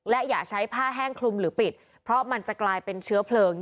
และอย่าใช้ผ้าแห้งคลุมหรือปิดเพราะมันจะกลายเป็นเชื้อเพลิง